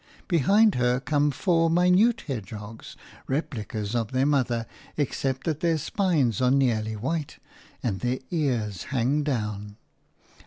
Behind her come four minute hedgehogs, replicas of their mother, except that their spines are nearly white and their ears hang down.